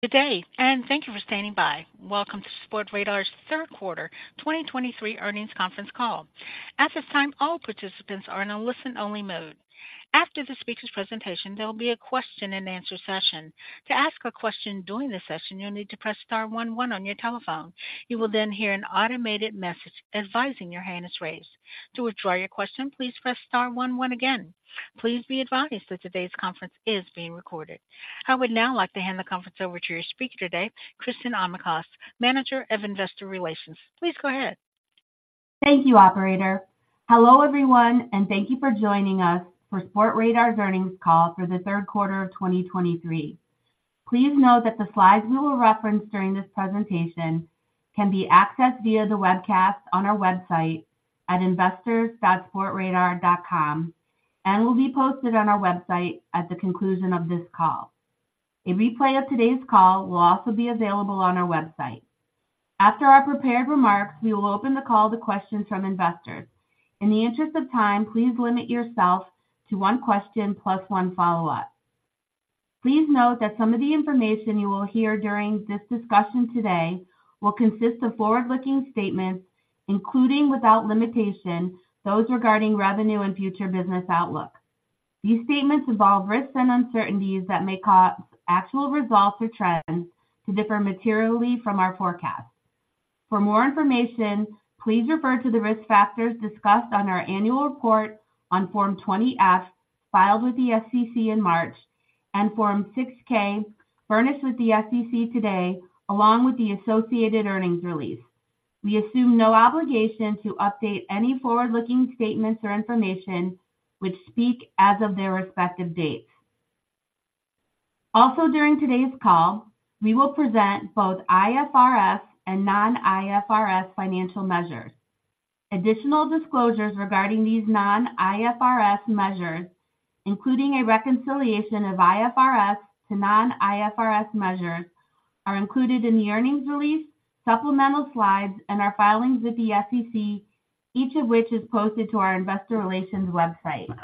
Good day, and thank you for standing by. Welcome to Sportradar's third quarter 2023 earnings conference call. At this time, all participants are in a listen-only mode. After the speaker's presentation, there will be a question-and-answer session. To ask a question during the session, you'll need to press star one one on your telephone. You will then hear an automated message advising your hand is raised. To withdraw your question, please press star one one again. Please be advised that today's conference is being recorded. I would now like to hand the conference over to your speaker today, Christin Armacost, Manager of Investor Relations. Please go ahead. Thank you, operator. Hello, everyone, and thank you for joining us for Sportradar's earnings call for the third quarter of 2023. Please note that the slides we will reference during this presentation can be accessed via the webcast on our website at investors.sportradar.com and will be posted on our website at the conclusion of this call. A replay of today's call will also be available on our website. After our prepared remarks, we will open the call to questions from investors. In the interest of time, please limit yourself to one question plus one follow-up. Please note that some of the information you will hear during this discussion today will consist of forward-looking statements, including, without limitation, those regarding revenue and future business outlook. These statements involve risks and uncertainties that may cause actual results or trends to differ materially from our forecasts. For more information, please refer to the risk factors discussed on our annual report on Form 20-F, filed with the SEC in March, and Form 6-K, furnished with the SEC today, along with the associated earnings release. We assume no obligation to update any forward-looking statements or information which speak as of their respective dates. Also, during today's call, we will present both IFRS and non-IFRS financial measures. Additional disclosures regarding these non-IFRS measures, including a reconciliation of IFRS to non-IFRS measures, are included in the earnings release, supplemental slides, and our filings with the SEC, each of which is posted to our investor relations website.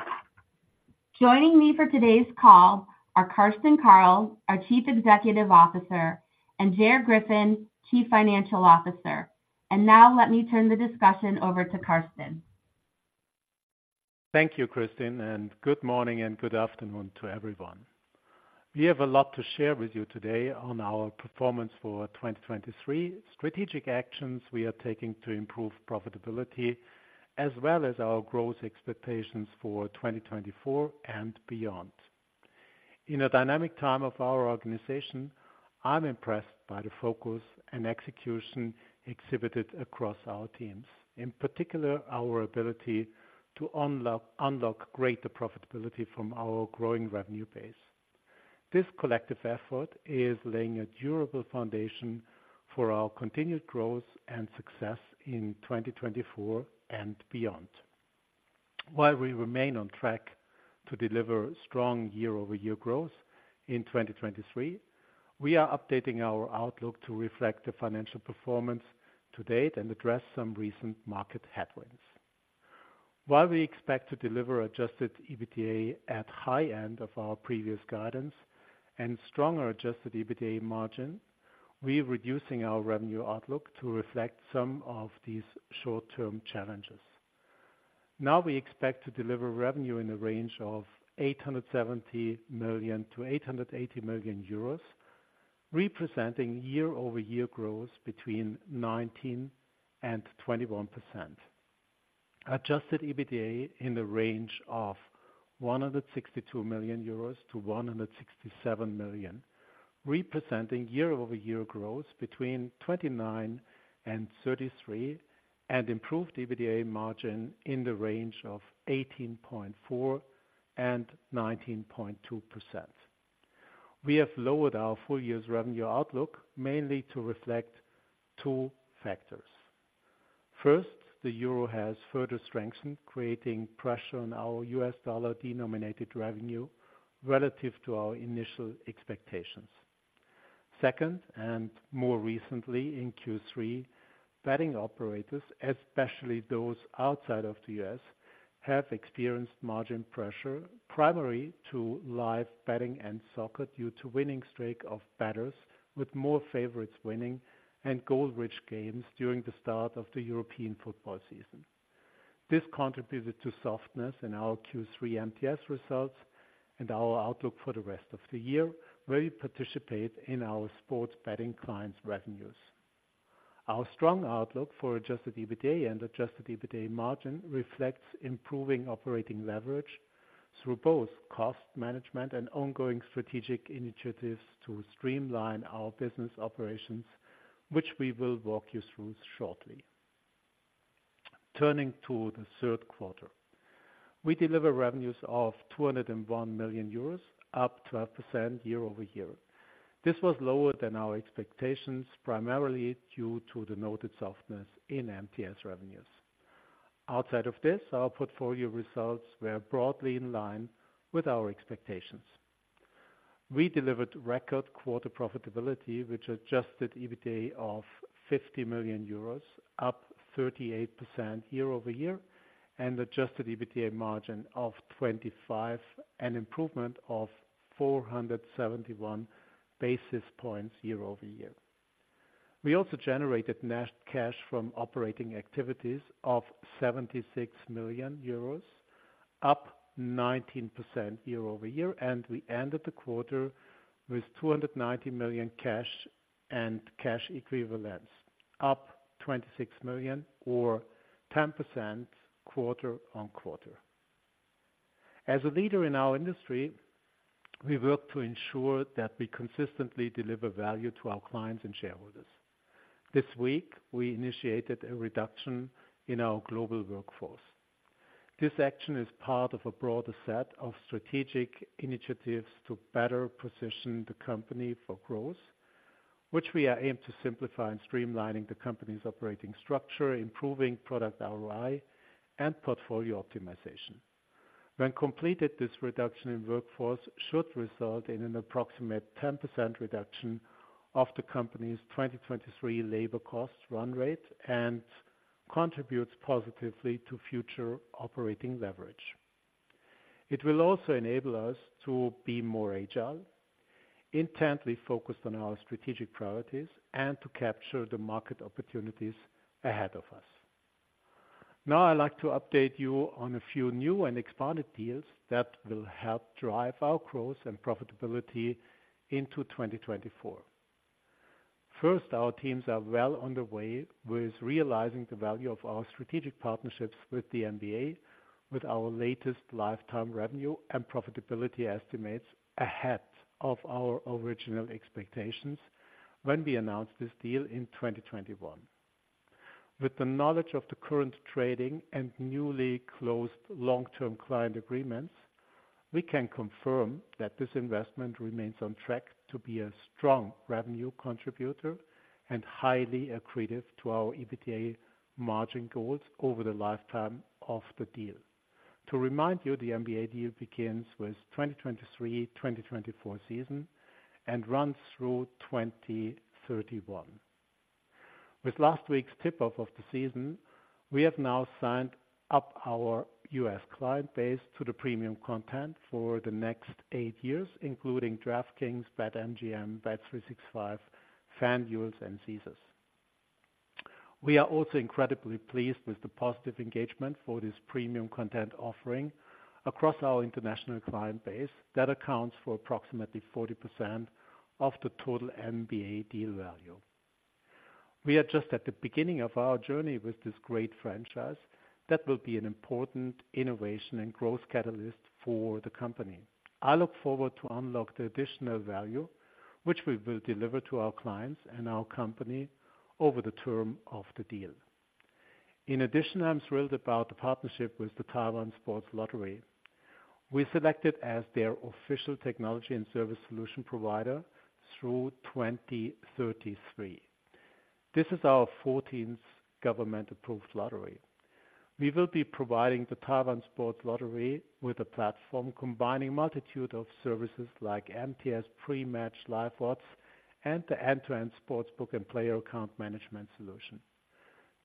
Joining me for today's call are Carsten Koerl, our Chief Executive Officer, and Gerard Griffin, Chief Financial Officer. And now let me turn the discussion over to Carsten. Thank you, Christin, and good morning and good afternoon to everyone. We have a lot to share with you today on our performance for 2023, strategic actions we are taking to improve profitability, as well as our growth expectations for 2024 and beyond. In a dynamic time of our organization, I'm impressed by the focus and execution exhibited across our teams, in particular, our ability to unlock greater profitability from our growing revenue base. This collective effort is laying a durable foundation for our continued growth and success in 2024 and beyond. While we remain on track to deliver strong year-over-year growth in 2023, we are updating our outlook to reflect the financial performance to date and address some recent market headwinds. While we expect to deliver adjusted EBITDA at high end of our previous guidance and stronger adjusted EBITDA margin, we're reducing our revenue outlook to reflect some of these short-term challenges. Now, we expect to deliver revenue in the range of 870 million-880 million euros, representing year-over-year growth between 19%-21%. Adjusted EBITDA in the range of 162 million-167 million euros, representing year-over-year growth between 29%-33%, and improved EBITDA margin in the range of 18.4%-19.2%. We have lowered our full year's revenue outlook, mainly to reflect two factors. First, the euro has further strengthened, creating pressure on our US dollar-denominated revenue relative to our initial expectations. Second, and more recently in Q3, betting operators, especially those outside of the U.S., have experienced margin pressure, primarily to live betting and soccer, due to winning streak of bettors with more favorites winning and goal-rich games during the start of the European football season. This contributed to softness in our Q3 MTS results and our outlook for the rest of the year, where you participate in our sports betting clients' revenues. Our strong outlook for Adjusted EBITDA and Adjusted EBITDA margin reflects improving operating leverage through both cost management and ongoing strategic initiatives to streamline our business operations, which we will walk you through shortly. Turning to the third quarter, we deliver revenues of 201 million euros, up 12% year-over-year. This was lower than our expectations, primarily due to the noted softness in MTS revenues. Outside of this, our portfolio results were broadly in line with our expectations. We delivered record quarter profitability, which adjusted EBITDA of 50 million euros, up 38% year-over-year, and adjusted EBITDA margin of 25%, an improvement of 471 basis points year-over-year. We also generated net cash from operating activities of 76 million euros, up 19% year-over-year, and we ended the quarter with 290 million cash and cash equivalents, up 26 million or 10% quarter-on-quarter. As a leader in our industry, we work to ensure that we consistently deliver value to our clients and shareholders. This week, we initiated a reduction in our global workforce. This action is part of a broader set of strategic initiatives to better position the company for growth, which we are aimed to simplify and streamlining the company's operating structure, improving product ROI, and portfolio optimization. When completed, this reduction in workforce should result in an approximate 10% reduction of the company's 2023 labor cost run rate and contributes positively to future operating leverage. It will also enable us to be more agile, intently focused on our strategic priorities, and to capture the market opportunities ahead of us. Now, I'd like to update you on a few new and expanded deals that will help drive our growth and profitability into 2024. First, our teams are well on the way with realizing the value of our strategic partnerships with the NBA, with our latest lifetime revenue and profitability estimates ahead of our original expectations when we announced this deal in 2021. With the knowledge of the current trading and newly closed long-term client agreements, we can confirm that this investment remains on track to be a strong revenue contributor and highly accretive to our EBITDA margin goals over the lifetime of the deal. To remind you, the NBA deal begins with 2023/2024 season and runs through 2031. With last week's tip-off of the season, we have now signed up our US client base to the premium content for the next eight years, including DraftKings, BetMGM, Bet365, FanDuel and Caesars. We are also incredibly pleased with the positive engagement for this premium content offering across our international client base that accounts for approximately 40% of the total NBA deal value. We are just at the beginning of our journey with this great franchise that will be an important innovation and growth catalyst for the company. I look forward to unlock the additional value which we will deliver to our clients and our company over the term of the deal. In addition, I'm thrilled about the partnership with the Taiwan Sports Lottery. We selected as their official technology and service solution provider through 2033. This is our fourteenth government-approved lottery. We will be providing the Taiwan Sports Lottery with a platform combining multitude of services like MTS pre-match live odds and the end-to-end sportsbook and player account management solution.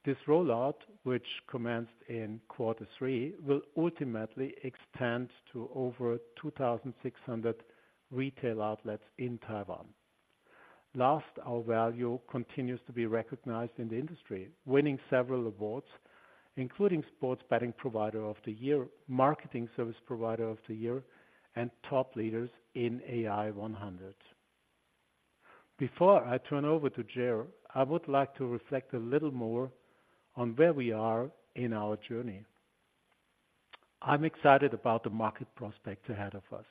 This rollout, which commenced in quarter three, will ultimately expand to over 2,600 retail outlets in Taiwan. Last, our value continues to be recognized in the industry, winning several awards, including Sports Betting Provider of the Year, Marketing Service Provider of the Year, and top leaders in AI 100. Before I turn over to Gerry, I would like to reflect a little more on where we are in our journey. I'm excited about the market prospects ahead of us.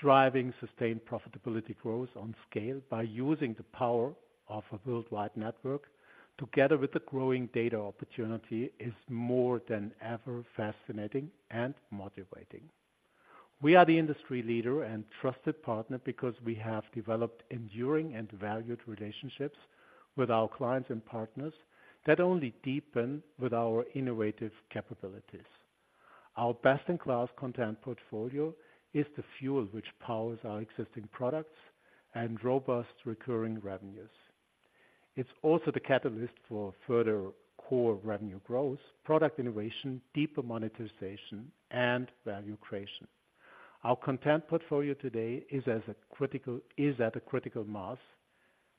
Driving sustained profitability growth on scale by using the power of a worldwide network together with the growing data opportunity, is more than ever fascinating and motivating. We are the industry leader and trusted partner because we have developed enduring and valued relationships with our clients and partners that only deepen with our innovative capabilities. Our best-in-class content portfolio is the fuel which powers our existing products and robust recurring revenues. It's also the catalyst for further core revenue growth, product innovation, deeper monetization, and value creation. Our content portfolio today is at a critical mass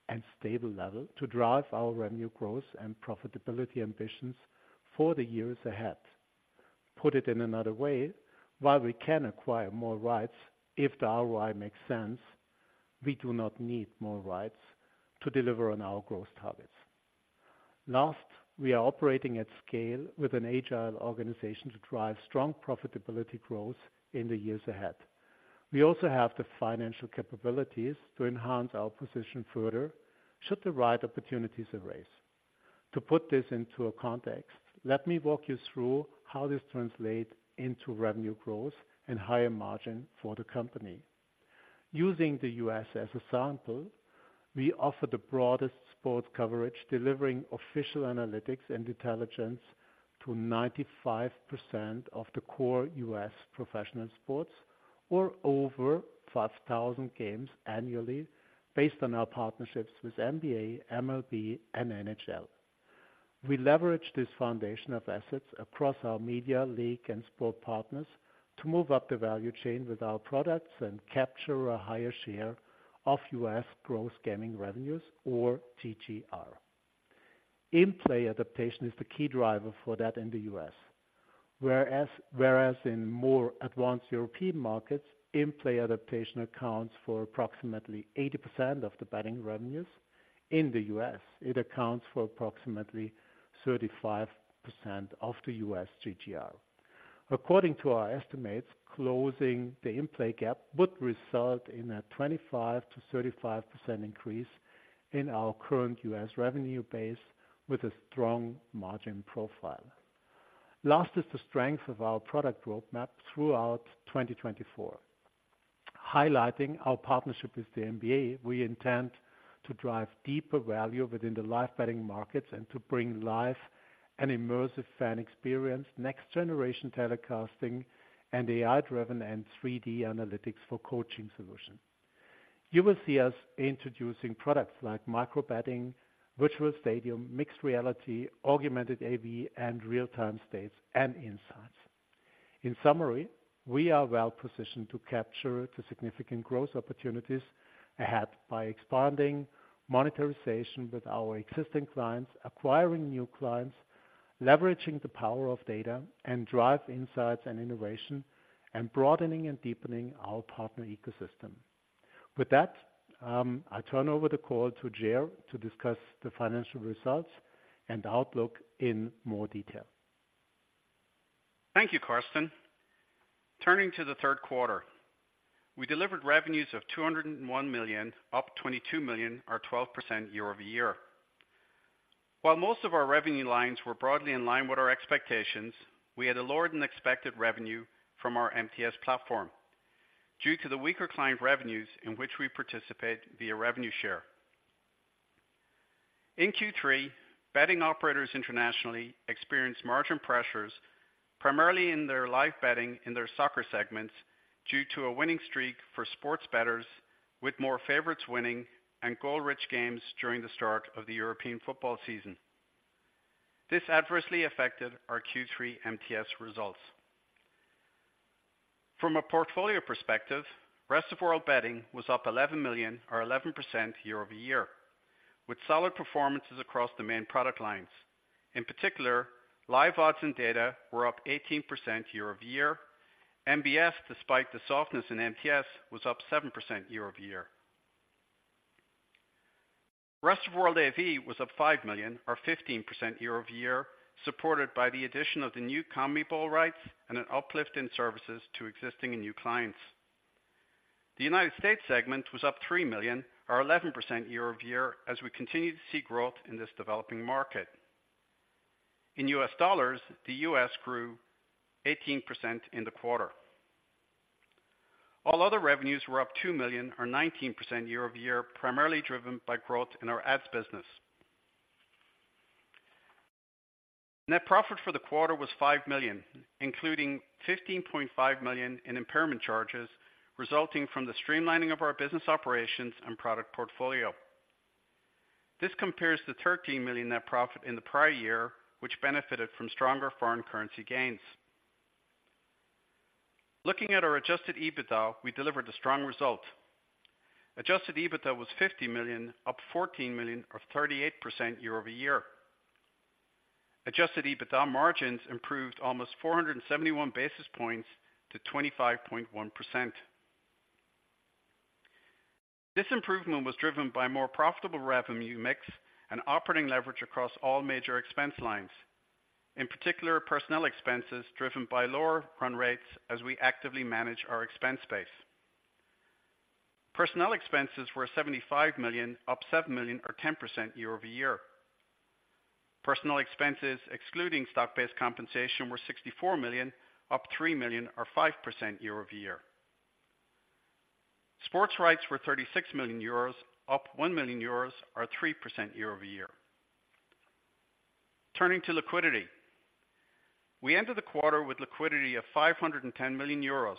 and stable level to drive our revenue growth and profitability ambitions for the years ahead. Put it in another way, while we can acquire more rights, if the ROI makes sense, we do not need more rights to deliver on our growth targets. Last, we are operating at scale with an agile organization to drive strong profitability growth in the years ahead. We also have the financial capabilities to enhance our position further should the right opportunities arise. To put this into a context, let me walk you through how this translate into revenue growth and higher margin for the company. Using the U.S. as a sample, we offer the broadest sports coverage, delivering official analytics and intelligence to 95% of the core U.S. professional sports, or over 5,000 games annually, based on our partnerships with NBA, MLB, and NHL. We leverage this foundation of assets across our media, league, and sport partners to move up the value chain with our products and capture a higher share of U.S. gross gaming revenues, or GGR. In-play adaptation is the key driver for that in the U.S. Whereas in more advanced European markets, in-play adaptation accounts for approximately 80% of the betting revenues, in the U.S., it accounts for approximately 35% of the U.S. GGR. According to our estimates, closing the in-play gap would result in a 25%-35% increase in our current U.S. revenue base with a strong margin profile. Last is the strength of our product roadmap throughout 2024. Highlighting our partnership with the NBA, we intend to drive deeper value within the live betting markets and to bring live and immersive fan experience, next generation telecasting, and AI-driven and 3D analytics for coaching solutions. You will see us introducing products like micro betting, virtual stadium, mixed reality, augmented AV, and real-time stats and insights. In summary, we are well positioned to capture the significant growth opportunities ahead by expanding monetization with our existing clients, acquiring new clients, leveraging the power of data, and drive insights and innovation, and broadening and deepening our partner ecosystem. With that, I turn over the call to Gerry to discuss the financial results and outlook in more detail. Thank you, Carsten. Turning to the third quarter, we delivered revenues of 201 million, up 22 million, or 12% year-over-year. While most of our revenue lines were broadly in line with our expectations, we had a lower than expected revenue from our MTS platform due to the weaker client revenues in which we participate via revenue share. In Q3, betting operators internationally experienced margin pressures, primarily in their live betting in their soccer segments, due to a winning streak for sports bettors, with more favorites winning and goal-rich games during the start of the European football season. This adversely affected our Q3 MTS results. From a portfolio perspective, Rest of World betting was up 11 million or 11% year-over-year, with solid performances across the main product lines. In particular, live odds and data were up 18% year-over-year. MBS, despite the softness in MTS, was up 7% year-over-year. Rest of World AV was up 5 million or 15% year-over-year, supported by the addition of the new CONMEBOL rights and an uplift in services to existing and new clients. The United States segment was up 3 million or 11% year-over-year as we continue to see growth in this developing market. In US dollars, the US grew 18% in the quarter. All other revenues were up 2 million or 19% year-over-year, primarily driven by growth in our ads business. Net profit for the quarter was 5 million, including 15.5 million in impairment charges resulting from the streamlining of our business operations and product portfolio. This compares to 13 million net profit in the prior year, which benefited from stronger foreign currency gains. Looking at our adjusted EBITDA, we delivered a strong result. Adjusted EBITDA was 50 million, up 14 million, or 38% year-over-year. Adjusted EBITDA margins improved almost 471 basis points to 25.1%. This improvement was driven by more profitable revenue mix and operating leverage across all major expense lines, in particular, personnel expenses, driven by lower run rates as we actively manage our expense base. Personnel expenses were 75 million, up 7 million or 10% year-over-year. Personnel expenses, excluding stock-based compensation, were 64 million, up 3 million or 5% year-over-year. Sports rights were 36 million euros, up 1 million euros, or 3% year-over-year. Turning to liquidity. We ended the quarter with liquidity of 510 million euros.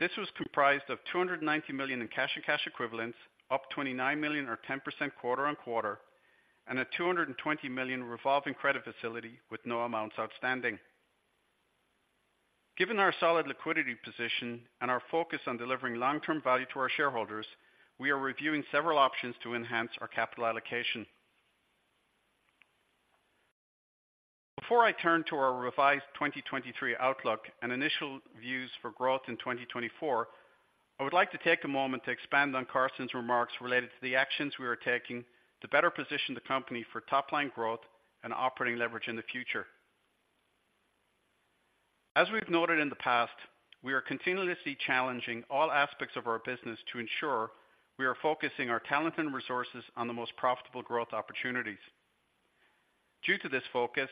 This was comprised of 290 million in cash and cash equivalents, up 29 million or 10% quarter-on-quarter, and a 220 million revolving credit facility with no amounts outstanding. Given our solid liquidity position and our focus on delivering long-term value to our shareholders, we are reviewing several options to enhance our capital allocation. Before I turn to our revised 2023 outlook and initial views for growth in 2024, I would like to take a moment to expand on Carsten's remarks related to the actions we are taking to better position the company for top-line growth and operating leverage in the future. As we've noted in the past, we are continuously challenging all aspects of our business to ensure we are focusing our talent and resources on the most profitable growth opportunities. Due to this focus,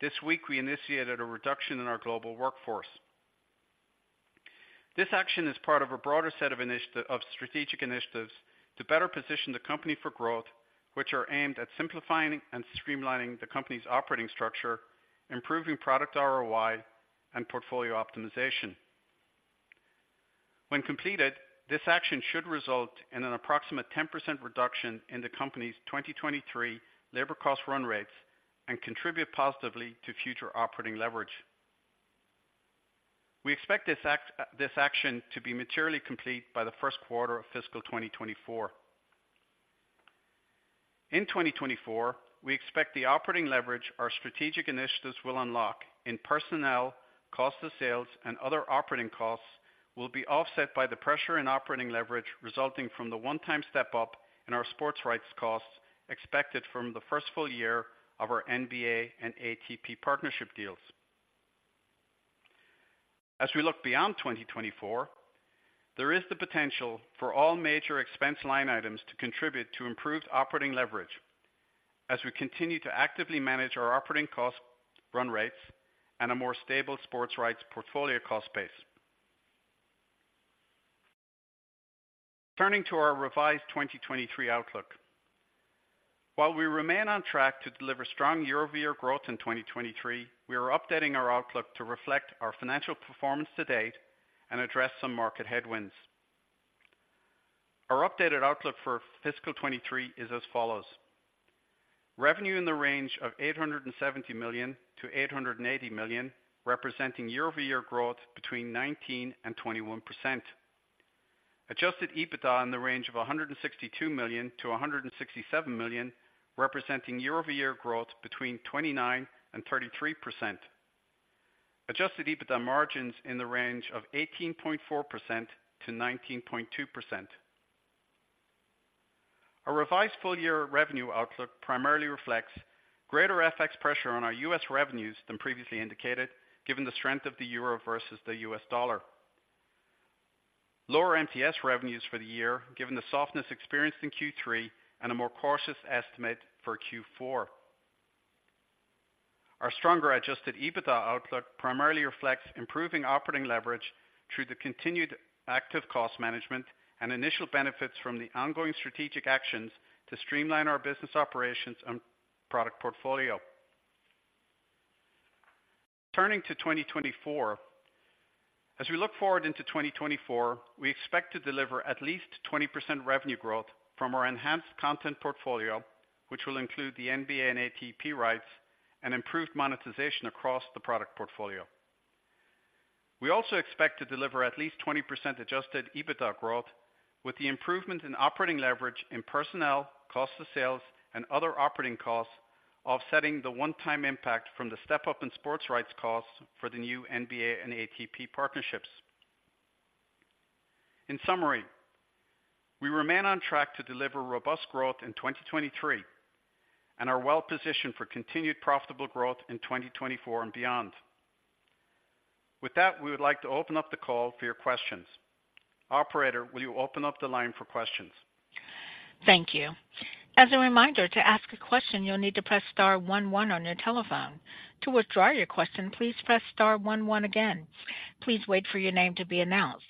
this week we initiated a reduction in our global workforce. This action is part of a broader set of strategic initiatives to better position the company for growth, which are aimed at simplifying and streamlining the company's operating structure, improving product ROI, and portfolio optimization. When completed, this action should result in an approximate 10% reduction in the company's 2023 labor cost run rates and contribute positively to future operating leverage. We expect this act, this action to be materially complete by the first quarter of fiscal 2024. In 2024, we expect the operating leverage our strategic initiatives will unlock in personnel, cost of sales, and other operating costs will be offset by the pressure and operating leverage resulting from the one-time step-up in our sports rights costs expected from the first full year of our NBA and ATP partnership deals. As we look beyond 2024, there is the potential for all major expense line items to contribute to improved operating leverage as we continue to actively manage our operating cost run rates and a more stable sports rights portfolio cost base. Turning to our revised 2023 outlook. While we remain on track to deliver strong year-over-year growth in 2023, we are updating our outlook to reflect our financial performance to date and address some market headwinds. Our updated outlook for fiscal 2023 is as follows: Revenue in the range of 870 million-880 million, representing year-over-year growth between 19%-21%. Adjusted EBITDA in the range of 162 million-167 million, representing year-over-year growth between 29%-33%. Adjusted EBITDA margins in the range of 18.4%-19.2%. Our revised full year revenue outlook primarily reflects greater FX pressure on our US revenues than previously indicated, given the strength of the euro versus the US dollar. Lower MTS revenues for the year, given the softness experienced in Q3 and a more cautious estimate for Q4. Our stronger adjusted EBITDA outlook primarily reflects improving operating leverage through the continued active cost management and initial benefits from the ongoing strategic actions to streamline our business operations and product portfolio. Turning to 2024. As we look forward into 2024, we expect to deliver at least 20% revenue growth from our enhanced content portfolio, which will include the NBA and ATP rights and improved monetization across the product portfolio. We also expect to deliver at least 20% adjusted EBITDA growth with the improvement in operating leverage in personnel, cost of sales, and other operating costs, offsetting the one-time impact from the step-up in sports rights costs for the new NBA and ATP partnerships. In summary, we remain on track to deliver robust growth in 2023 and are well positioned for continued profitable growth in 2024 and beyond. With that, we would like to open up the call for your questions. Operator, will you open up the line for questions? Thank you. As a reminder, to ask a question, you'll need to press star one one on your telephone. To withdraw your question, please press star one one again. Please wait for your name to be announced.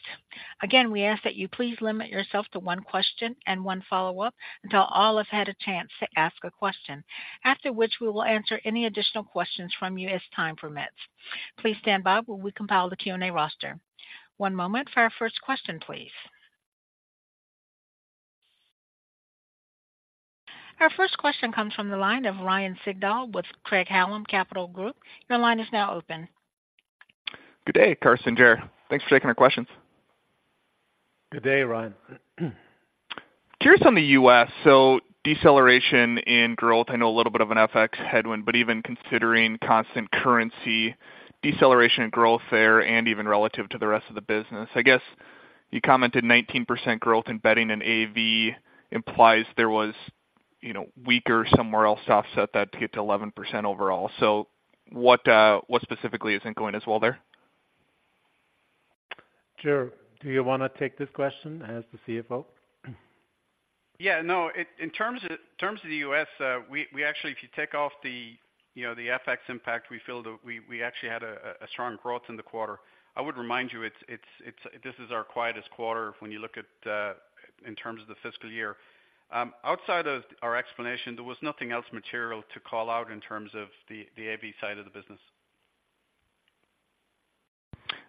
Again, we ask that you please limit yourself to one question and one follow-up until all have had a chance to ask a question, after which we will answer any additional questions from you as time permits. Please stand by while we compile the Q&A roster. One moment for our first question, please. Our first question comes from the line of Ryan Sigdahl with Craig-Hallum Capital Group. Your line is now open. Good day, Carsten, Gerry. Thanks for taking our questions. Good day, Ryan. Curious on the U.S. So deceleration in growth, I know a little bit of an FX headwind, but even considering constant currency deceleration in growth there and even relative to the rest of the business. I guess you commented 19% growth in betting and AV implies there was weaker somewhere else to offset that to get to 11% overall. So what, what specifically isn't going as well there? Gerry, do you wanna take this question as the CFO? Yeah, no, in terms of the U.S., we actually if you take off the FX impact, we feel that we actually had a strong growth in the quarter. I would remind you, it's this is our quietest quarter when you look at in terms of the fiscal year. Outside of our explanation, there was nothing else material to call out in terms of the AV side of the business.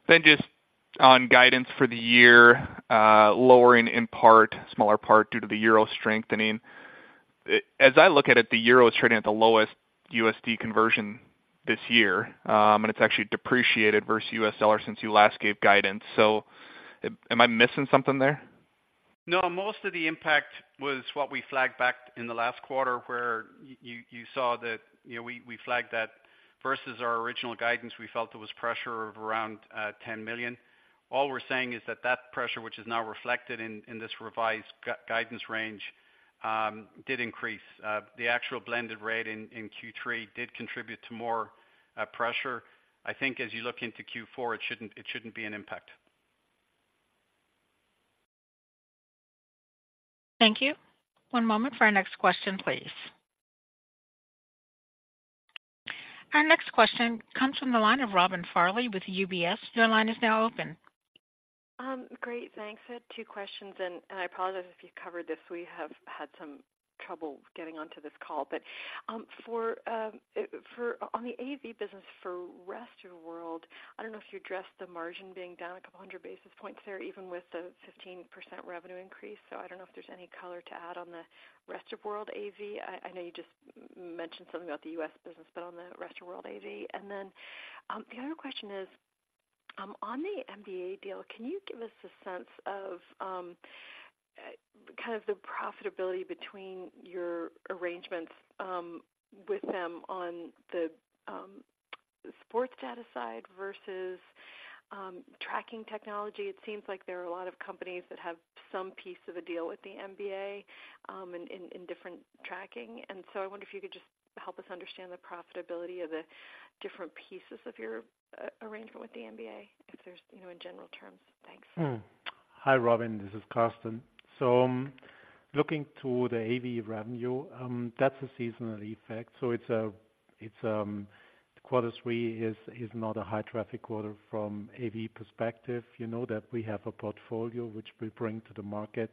Then just on guidance for the year, lowering in part, smaller part, due to the euro strengthening. As I look at it, the euro is trading at the lowest USD conversion this year, and it's actually depreciated versus US dollar since you last gave guidance. So am I missing something there? No, most of the impact was what we flagged back in the last quarter, where you saw that we flagged that versus our original guidance, we felt there was pressure of around 10 million. All we're saying is that that pressure, which is now reflected in this revised guidance range, did increase. The actual blended rate in Q3 did contribute to more pressure. I think as you look into Q4, it shouldn't be an impact. Thank you. One moment for our next question, please. Our next question comes from the line of Robin Farley with UBS. Your line is now open. Great, thanks. I had two questions, and I apologize if you covered this. We have had trouble getting onto this call. But on the AV business for rest of the world, I don't know if you addressed the margin being down a couple hundred basis points there, even with the 15% revenue increase. So I don't know if there's any color to add on the rest of world AV. I know you just mentioned something about the U.S. business, but on the rest of world AV. The other question is on the NBA deal, can you give us a sense of kind of the profitability between your arrangements with them on the sports data side versus tracking technology? It seems like there are a lot of companies that have some piece of a deal with the NBA in different tracking. And so I wonder if you could just help us understand the profitability of the different pieces of your arrangement with the NBA, if there's in general terms. Thanks. Hi, Robin, this is Carsten. So looking to the AV revenue, that's a seasonal effect. So it's quarter three is not a high traffic quarter from AV perspective. You know that we have a portfolio which we bring to the market,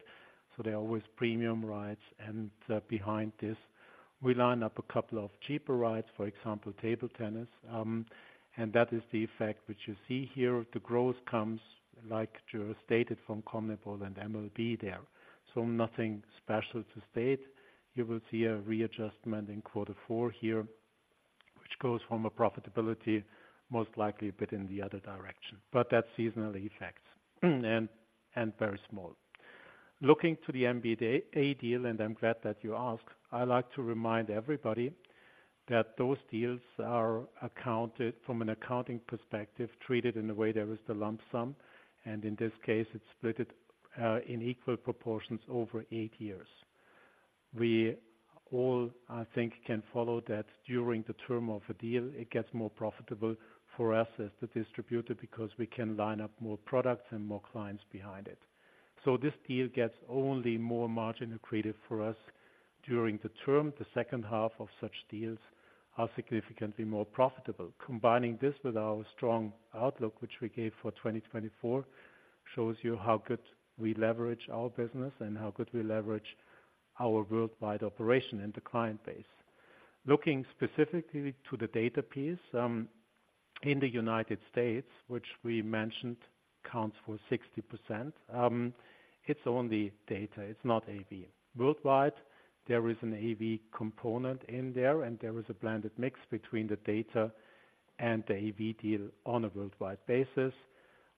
so there are always premium rights, and behind this, we line up a couple of cheaper rights, for example, table tennis, and that is the effect which you see here. The growth comes, like Gerard stated, from CONMEBOL and MLB there, so nothing special to state. You will see a readjustment in quarter four here, which goes from a profitability, most likely a bit in the other direction, but that's seasonal effects, and very small. Looking to the NBA deal, and I'm glad that you asked. I like to remind everybody that those deals are accounted from an accounting perspective, treated in a way that is the lump sum, and in this case it's split in equal proportions over 8 years. We all, I think, can follow that during the term of a deal, it gets more profitable for us as the distributor, because we can line up more products and more clients behind it. So this deal gets only more margin accretive for us during the term. The second half of such deals are significantly more profitable. Combining this with our strong outlook, which we gave for 2024, shows you how good we leverage our business and how good we leverage our worldwide operation and the client base. Looking specifically to the data piece, in the United States, which we mentioned counts for 60%, it's only data, it's not AV. Worldwide, there is an AV component in there, and there is a blended mix between the data and the AV deal on a worldwide basis.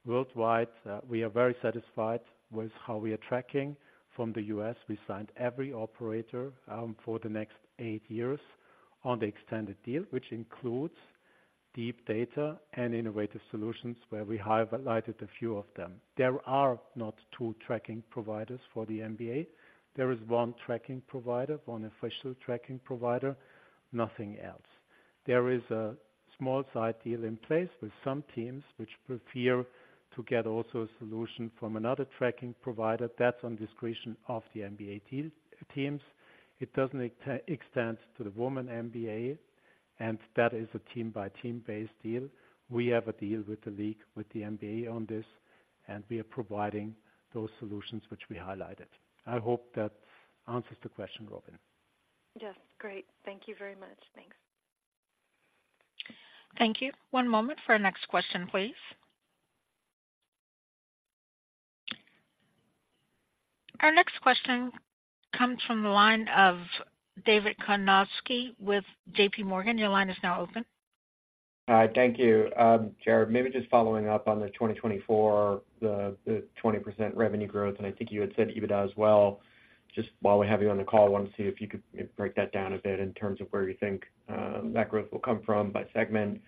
Worldwide, we are very satisfied with how we are tracking. From the US, we signed every operator, for the next eight years on the extended deal, which includes deep data and innovative solutions, where we highlighted a few of them. There are not two tracking providers for the NBA. There is one tracking provider, one official tracking provider, nothing else. There is a small side deal in place with some teams which prefer to get also a solution from another tracking provider. That's on discretion of the NBA teams. It doesn't extend to the WNBA, and that is a team-by-team based deal. We have a deal with the league, with the NBA on this, and we are providing those solutions which we highlighted. I hope that answers the question, Robin. Yes. Great. Thank you very much. Thanks. Thank you. One moment for our next question, please. Our next question comes from the line of David Karnovsky with JP Morgan. Your line is now open. Hi, thank you. Gerard, maybe just following up on the 2024, the 20% revenue growth, and I think you had said EBITDA as well. Just while we have you on the call, I wanted to see if you could break that down a bit in terms of where you think that growth will come from by segment.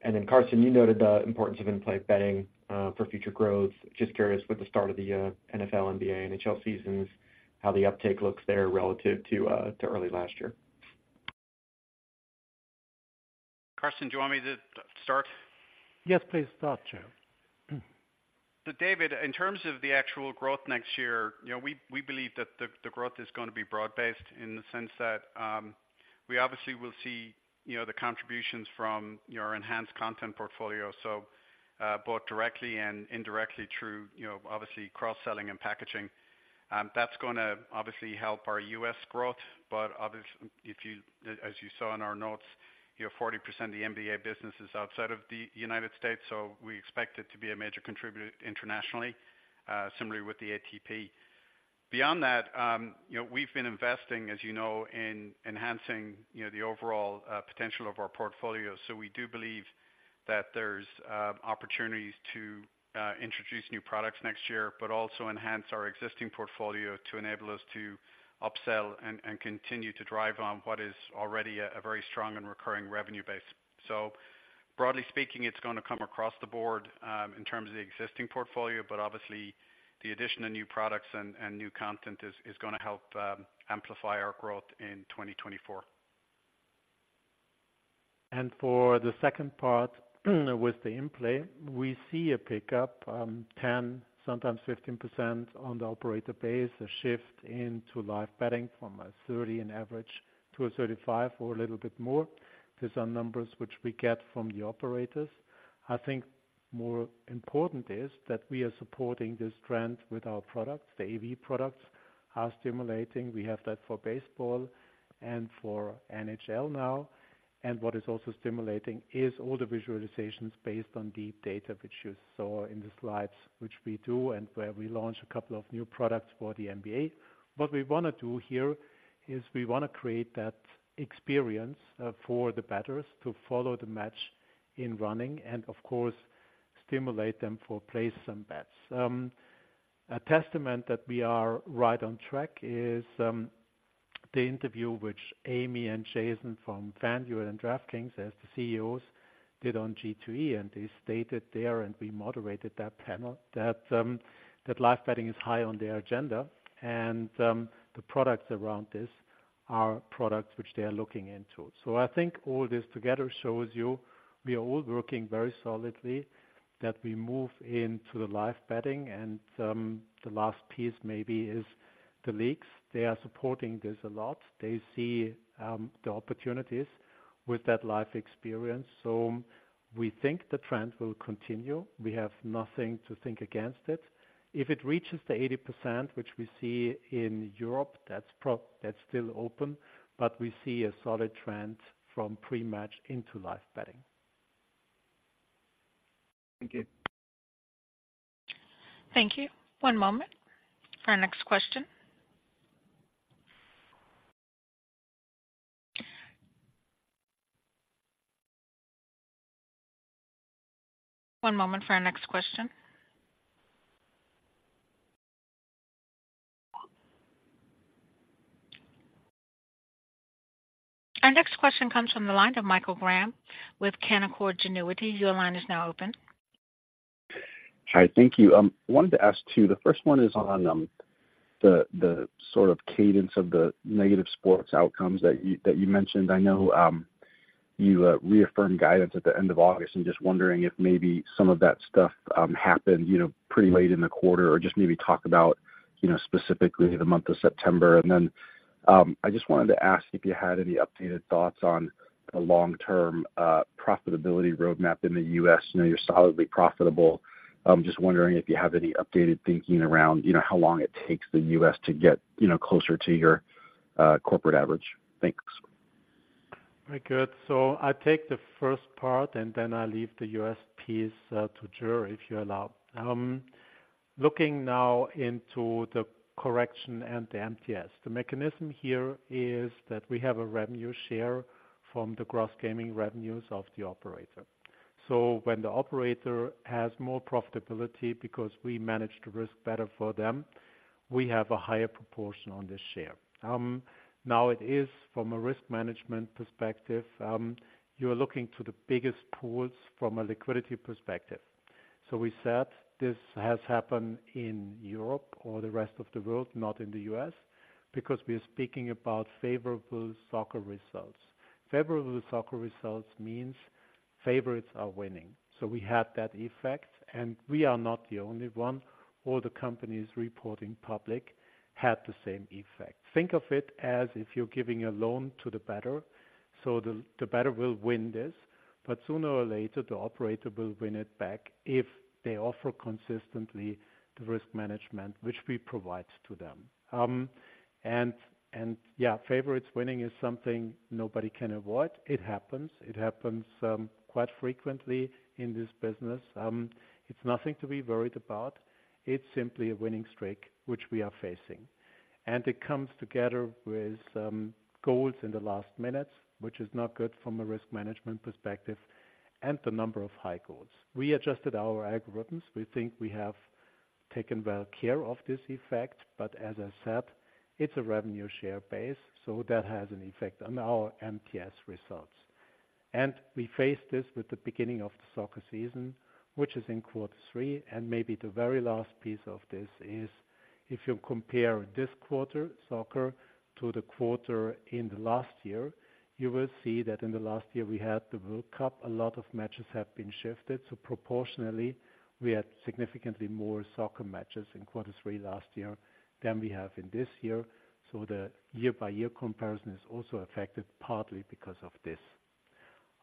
And then, Carsten, you noted the importance of in-play betting for future growth. Just curious, with the start of the NFL, NBA, NHL seasons, how the uptake looks there relative to early last year. Carsten, do you want me to start? Yes, please start, Gerard. So David, in terms of the actual growth next year, we believe that the growth is gonna be broad-based in the sense that, we obviously will see the contributions from your enhanced content portfolio, so, both directly and indirectly through obviously cross-selling and packaging. That's gonna obviously help our U.S. growth, but obviously, if you, as you saw in our notes, 40% of the NBA business is outside of the United States, so we expect it to be a major contributor internationally, similarly, with the ATP. Beyond that, we've been investing, as in enhancing the overall potential of our portfolio. So we do believe that there's opportunities to introduce new products next year, but also enhance our existing portfolio to enable us to upsell and continue to drive on what is already a very strong and recurring revenue base. So broadly speaking, it's gonna come across the board in terms of the existing portfolio, but obviously the addition of new products and new content is gonna help amplify our growth in 2024. For the second part, with the in-play, we see a pickup, 10, sometimes 15% on the operator base, a shift into live betting from a 30% average to a 35% or a little bit more. These are numbers which we get from the operators, I think, more important is that we are supporting this trend with our products. The AV products are stimulating. We have that for baseball and for NHL now, and what is also stimulating is all the visualizations based on deep data, which you saw in the slides, which we do, and where we launch a couple of new products for the NBA. What we want to do here is we want to create that experience, for the bettors to follow the match in running and of course, stimulate them for plays and bets. A testament that we are right on track is the interview which Amy and Jason from FanDuel and DraftKings, as the CEOs, did on G2E, and they stated there, and we moderated that panel, that live betting is high on their agenda, and the products around this are products which they are looking into. So I think all this together shows you we are all working very solidly, that we move into the live betting, and the last piece maybe is the leagues. They are supporting this a lot. They see the opportunities with that live experience, so we think the trend will continue. We have nothing to think against it. If it reaches the 80%, which we see in Europe, that's still open, but we see a solid trend from pre-match into live betting. Thank you. Thank you. One moment for our next question. One moment for our next question. Our next question comes from the line of Michael Graham with Canaccord Genuity. Your line is now open. Hi, thank you. Wanted to ask two, the first one is on, the sort of cadence of the negative sports outcomes that you mentioned. I know, you reaffirmed guidance at the end of August, and just wondering if maybe some of that stuff happened pretty late in the quarter, or just maybe talk about specifically the month of September. And then, I just wanted to ask if you had any updated thoughts on a long-term, profitability roadmap in the U.S. I know you're solidly profitable. I'm just wondering if you have any updated thinking around how long it takes the U.S. to get closer to your, corporate average. Thanks. Very good. So I take the first part, and then I leave the U.S. piece, to Gerard, if you allow. Looking now into the correction and the MTS, the mechanism here is that we have a revenue share from the gross gaming revenues of the operator. So when the operator has more profitability, because we manage the risk better for them, we have a higher proportion on this share. Now, it is from a risk management perspective, you're looking to the biggest pools from a liquidity perspective. So we said this has happened in Europe or the rest of the world, not in the U.S., because we are speaking about favorable soccer results. Favorable soccer results means favorites are winning, so we have that effect, and we are not the only one. All the companies reporting public had the same effect. Think of it as if you're giving a loan to the bettor, so the bettor will win this, but sooner or later, the operator will win it back if they offer consistently the risk management, which we provide to them. And yeah, favorites winning is something nobody can avoid. It happens quite frequently in this business. It's nothing to be worried about. It's simply a winning streak, which we are facing. And it comes together with goals in the last minute, which is not good from a risk management perspective and the number of high goals. We adjusted our algorithms. We think we have taken well care of this effect, but as I said, it's a revenue share base, so that has an effect on our MTS results. We face this with the beginning of the soccer season, which is in quarter three, and maybe the very last piece of this is, if you compare this quarter soccer to the quarter in the last year, you will see that in the last year, we had the World Cup. A lot of matches have been shifted, so proportionally, we had significantly more soccer matches in quarter three last year than we have in this year. The year-by-year comparison is also affected, partly because of this.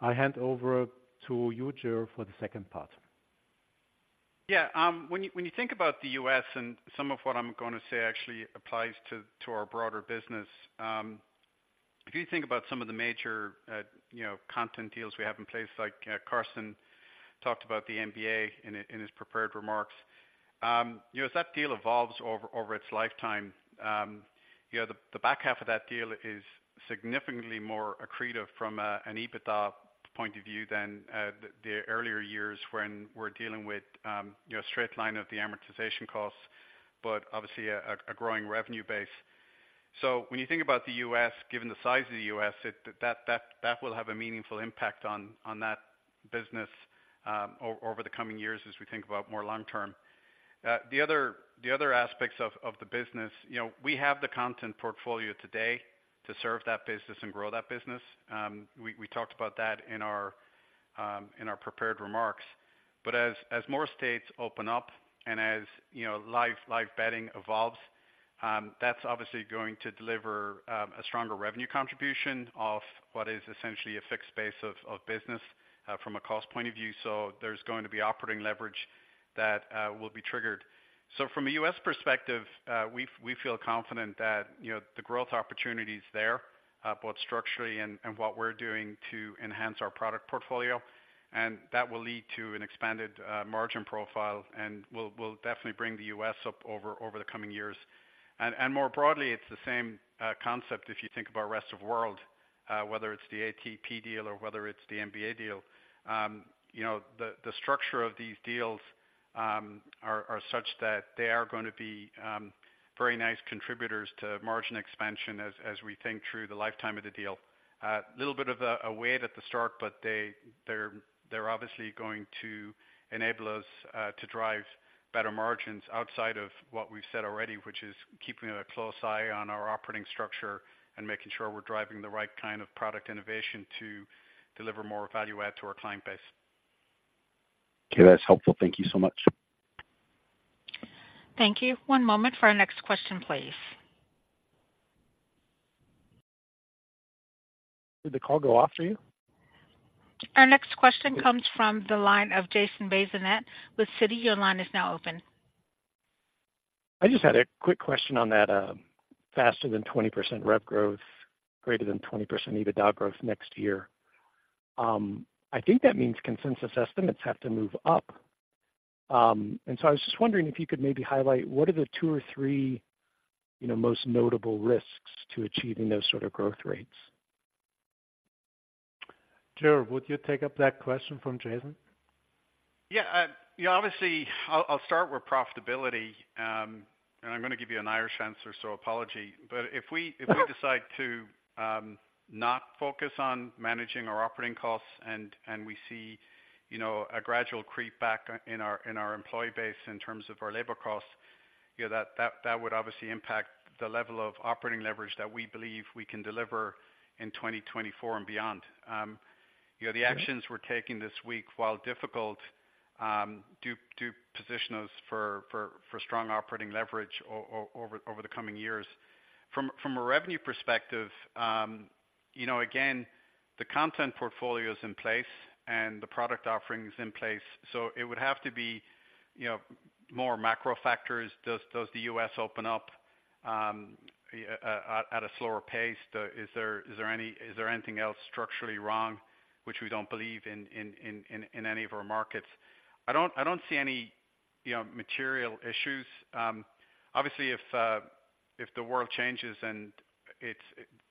I hand over to you, Gerard, for the second part. When you think about the U.S., and some of what I'm going to say actually applies to our broader business. If you think about some of the major content deals we have in place, like, Carsten talked about the NBA in his prepared remarks. As that deal evolves over its lifetime, the back half of that deal is significantly more accretive from an EBITDA point of view than the earlier years when we're dealing with straight line of the amortization costs, but obviously a growing revenue base. So when you think about the U.S., given the size of the U.S., it...hat will have a meaningful impact on that business over the coming years, as we think about more long-term. The other aspects of the business, we have the content portfolio today to serve that business and grow that business. We talked about that in our prepared remarks. But as more states open up and as live betting evolves. That's obviously going to deliver a stronger revenue contribution of what is essentially a fixed base of business from a cost point of view. So there's going to be operating leverage that will be triggered. So from a U.S. perspective, we feel confident thatthe growth opportunity is there, both structurally and what we're doing to enhance our product portfolio. That will lead to an expanded margin profile, and will definitely bring the U.S. up over the coming years. And more broadly, it's the same concept if you think about rest of world, whether it's the ATP deal or whether it's the NBA deal. The structure of these deals are such that they are gonna be very nice contributors to margin expansion as we think through the lifetime of the deal. A little bit of a wait at the start, but they're obviously going to enable us to drive better margins outside of what we've said already, which is keeping a close eye on our operating structure and making sure we're driving the right kind of product innovation to deliver more value add to our client base. Okay, that's helpful. Thank you so much. Thank you. One moment for our next question, please. Did the call go off for you? Our next question comes from the line of Jason Bazinet with Citi. Your line is now open. I just had a quick question on that, faster than 20% rev growth, greater than 20% EBITDA growth next year. I think that means consensus estimates have to move up. So I was just wondering if you could maybe highlight what are the two or three most notable risks to achieving those sort of growth rates? Gerard, would you take up that question from Jason? Yeah, obviously, I'll start with profitability. And I'm gonna give you an Irish answer, so apology. But if we decide to not focus on managing our operating costs and we see a gradual creep back in our employee base in terms of our labor costs that would obviously impact the level of operating leverage that we believe we can deliver in 2024 and beyond. The actions we're taking this week, while difficult, do position us for strong operating leverage over the coming years. From a revenue perspective, the content portfolio is in place and the product offering is in place, so it would have to be more macro factors. Does the U.S. open up at a slower pace? Is there anything else structurally wrong, which we don't believe in any of our markets? I don't see any material issues. Obviously, if the world changes and it's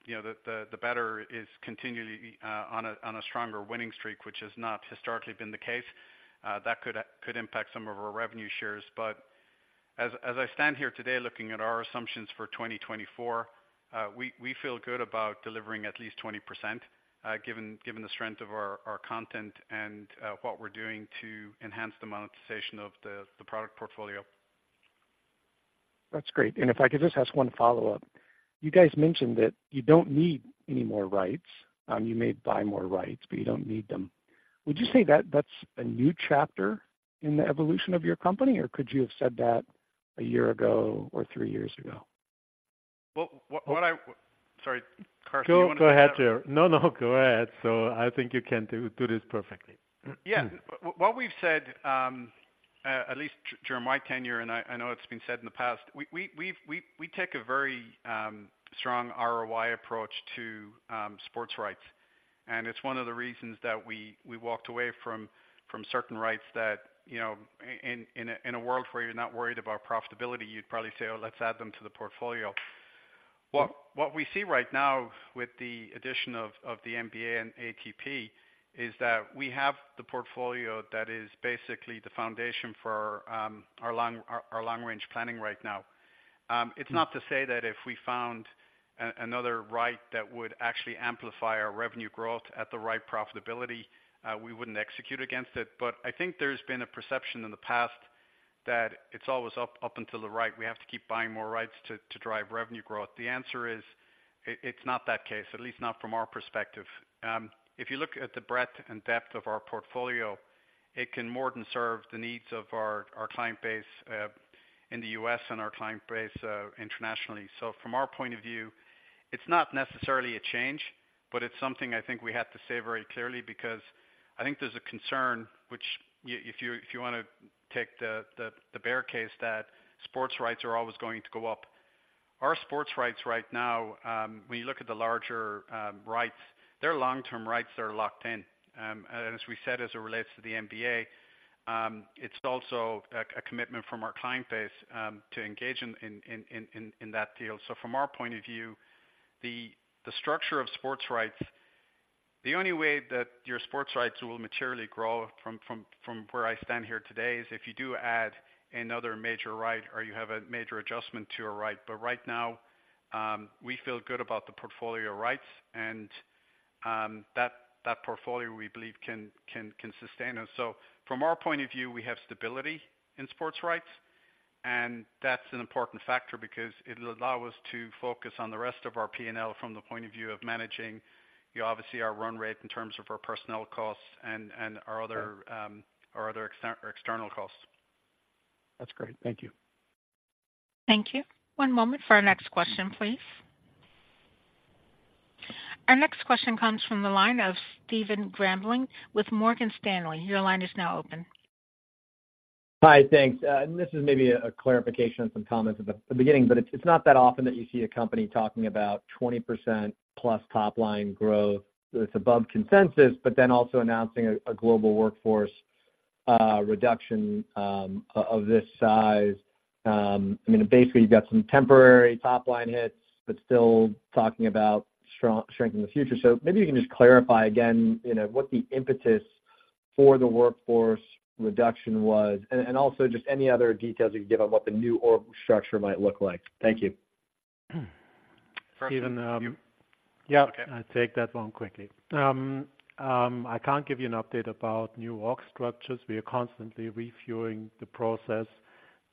the bettor is continually on a stronger winning streak, which has not historically been the case, that could impact some of our revenue shares. But as I stand here today, looking at our assumptions for 2024, we feel good about delivering at least 20%, given the strength of our content and what we're doing to enhance the monetization of the product portfolio. That's great. If I could just ask one follow-up. You guys mentioned that you don't need any more rights. You may buy more rights, but you don't need them. Would you say that that's a new chapter in the evolution of your company, or could you have said that a year ago or three years ago? Well, what I... Sorry, Carsten, do you wanna- Go ahead, Gerard. No, no, go ahead. So I think you can do this perfectly. Yeah. What we've said, at least during my tenure, and I know it's been said in the past, we take a very strong ROI approach to sports rights. And it's one of the reasons that we walked away from certain rights that in a world where you're not worried about profitability, you'd probably say, "Oh, let's add them to the portfolio." What we see right now with the addition of the NBA and ATP is that we have the portfolio that is basically the foundation for our long-range planning right now. It's not to say that if we found another right that would actually amplify our revenue growth at the right profitability, we wouldn't execute against it. But I think there's been a perception in the past that it's always up, up until the right. We have to keep buying more rights to, to drive revenue growth. The answer is, it, it's not that case, at least not from our perspective. If you look at the breadth and depth of our portfolio, it can more than serve the needs of our, our client base, in the U.S. and our client base, internationally. So from our point of view, it's not necessarily a change, but it's something I think we have to say very clearly, because I think there's a concern which if you, if you wanna take the, the bear case, that sports rights are always going to go up. Our sports rights right now, when you look at the larger, rights, they're long-term rights that are locked in. And as we said, as it relates to the NBA, it's also a commitment from our client base to engage in that deal. So from our point of view, the structure of sports rights, the only way that your sports rights will materially grow from where I stand here today, is if you do add another major right, or you have a major adjustment to a right. But right now, we feel good about the portfolio rights and that portfolio we believe can sustain us. So from our point of view, we have stability in sports rights, and that's an important factor because it'll allow us to focus on the rest of our P&L from the point of view of managing, obviously our run rate in terms of our personnel costs and our other external costs. That's great. Thank you. Thank you. One moment for our next question, please.... Our next question comes from the line of Stephen Grambling with Morgan Stanley. Your line is now open. Hi, thanks. And this is maybe a clarification on some comments at the beginning, but it's not that often that you see a company talking about 20%+ top line growth that's above consensus, but then also announcing a global workforce reduction of this size. I mean, basically, you've got some temporary top line hits, but still talking about strong strength in the future. So maybe you can just clarify again, what the impetus for the workforce reduction was, and also just any other details you can give on what the new org structure might look like. Thank you. Stephen, um- Yep. Okay. I'll take that one quickly. I can't give you an update about new org structures. We are constantly reviewing the process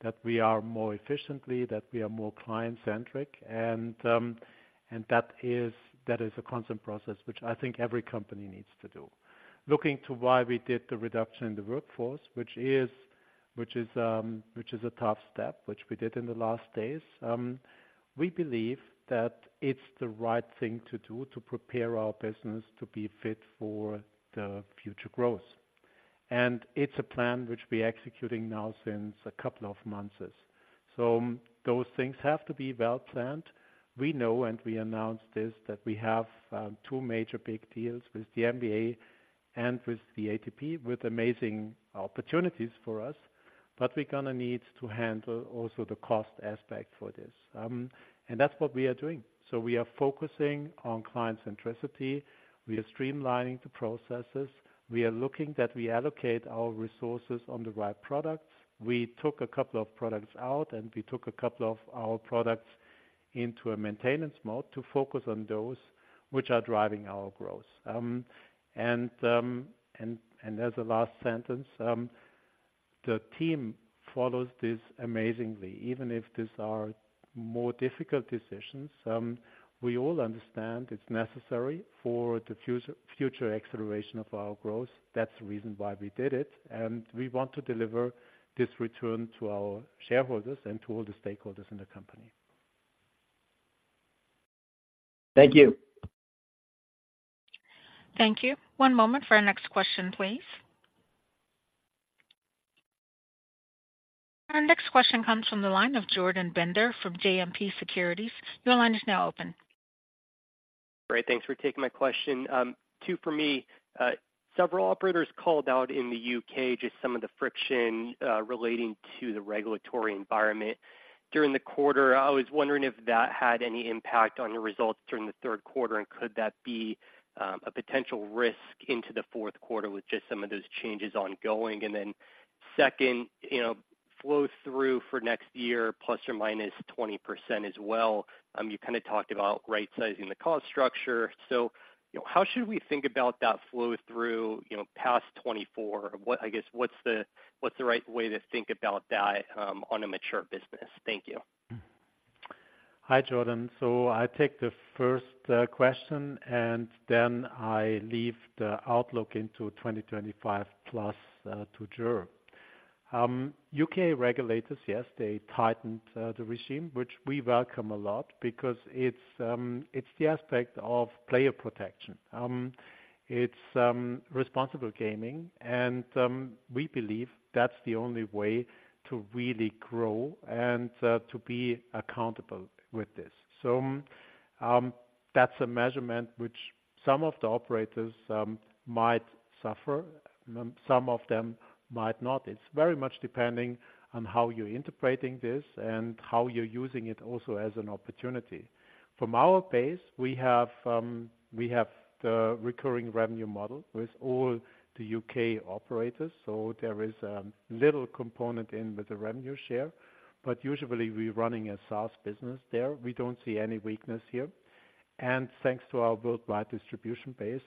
that we are more efficiently, that we are more client-centric. And that is a constant process, which I think every company needs to do. Looking to why we did the reduction in the workforce, which is a tough step, which we did in the last days. We believe that it's the right thing to do to prepare our business to be fit for the future growth. And it's a plan which we're executing now since a couple of months. So those things have to be well-planned. We know, and we announced this, that we have two major big deals with the NBA and with the ATP, with amazing opportunities for us, but we're gonna need to handle also the cost aspect for this. That's what we are doing. We are focusing on client centricity. We are streamlining the processes. We are looking that we allocate our resources on the right products. We took a couple of products out, and we took a couple of our products into a maintenance mode to focus on those which are driving our growth. And as a last sentence, the team follows this amazingly, even if these are more difficult decisions, we all understand it's necessary for the future acceleration of our growth. That's the reason why we did it, and we want to deliver this return to our shareholders and to all the stakeholders in the company. Thank you. Thank you. One moment for our next question, please. Our next question comes from the line of Jordan Bender from JMP Securities. Your line is now open. Great, thanks for taking my question. Two for me. Several operators called out in the UK, just some of the friction relating to the regulatory environment during the quarter. I was wondering if that had any impact on your results during the third quarter, and could that be a potential risk into the fourth quarter with just some of those changes ongoing? And then second, flow through for next year, plus or minus 20% as well. You kind of talked about right-sizing the cost structure. So, how should we think about that flow through, past 2024? I guess, what's the right way to think about that on a mature business? Thank you. Hi, Jordan. So I take the first question, and then I leave the outlook into 2025 plus to Gerard. U.K. regulators, yes, they tightened the regime, which we welcome a lot because it's the aspect of player protection. It's responsible gaming, and we believe that's the only way to really grow and to be accountable with this. So, that's a measurement which some of the operators might suffer, some of them might not. It's very much depending on how you're interpreting this and how you're using it also as an opportunity. From our base, we have the recurring revenue model with all the U.K. operators, so there is a little component in with the revenue share, but usually we're running a SaaS business there. We don't see any weakness here, and thanks to our worldwide distribution base,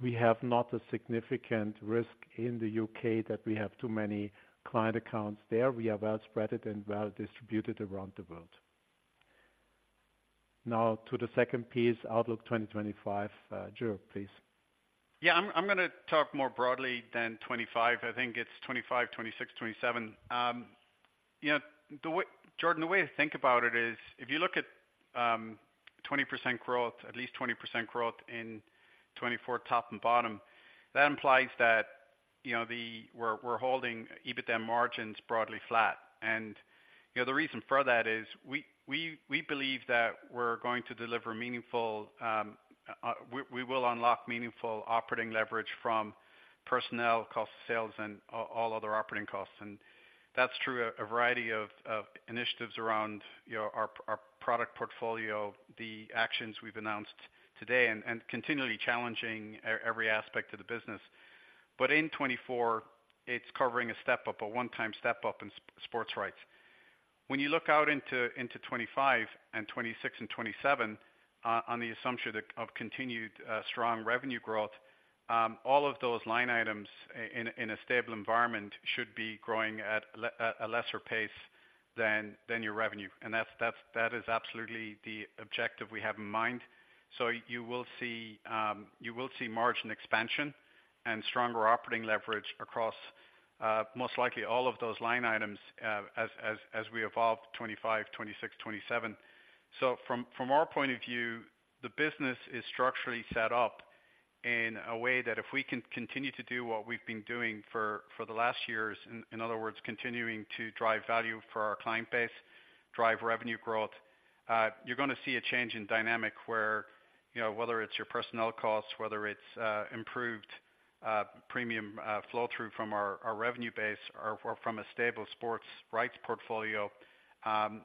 we have not a significant risk in the UK that we have too many client accounts there. We are well spread and well distributed around the world. Now to the second piece, Outlook 2025. Gerard, please. I'm gonna talk more broadly than 25. I think it's 25, 26, 27. Jordan, the way to think about it is, if you look at 20% growth, at least 20% growth in 2024, top and bottom, that implies that, we're holding EBITDA margins broadly flat. And, the reason for that is we believe that we will unlock meaningful operating leverage from personnel, cost of sales, and all other operating costs. And that's through a variety of initiatives around our product portfolio, the actions we've announced today, and continually challenging every aspect of the business. But in 2024, it's covering a step-up, a one-time step-up in sports rights. When you look out into 2025 and 2026 and 2027, on the assumption of continued strong revenue growth, all of those line items in a stable environment should be growing at a lesser pace than your revenue. And that's that is absolutely the objective we have in mind. So you will see you will see margin expansion and stronger operating leverage across most likely all of those line items as we evolve 2025, 2026, 2027. So from our point of view, the business is structurally set up in a way that if we can continue to do what we've been doing for the last years, in other words, continuing to drive value for our client base, drive revenue growth, you're gonna see a change in dynamic where whether it's your personnel costs, whether it's improved premium flow through from our revenue base or from a stable sports rights portfolio,